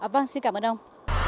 vâng xin cảm ơn ông